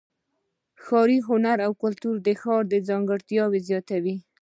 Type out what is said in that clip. ښاري هنر او کلتور د ښار ځانګړتیا زیاتوي.